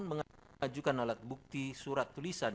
mengajukan alat bukti surat tulisan